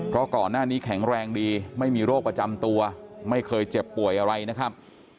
เพราะก่อนหน้านี้แข็งแรงดีไม่มีโรคประจำตัวไม่เคยเจ็บป่วยอะไรนะครับ